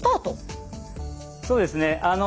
そうですね。